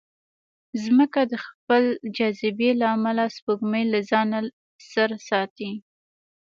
مځکه د خپل جاذبې له امله سپوږمۍ له ځانه سره ساتي.